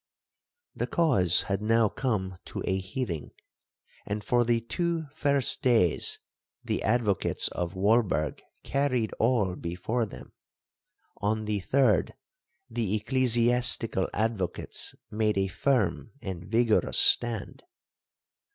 'The cause had now come to a hearing, and for the two first days the advocates of Walberg carried all before them. On the third the ecclesiastical advocates made a firm and vigorous stand.